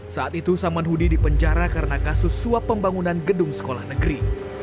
saat itu saman hudi dipenjara karena kasus suap pembangunan gedung sekolah negeri